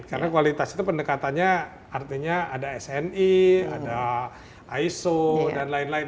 karena kualitas itu pendekatannya artinya ada sni ada iso dan lain lain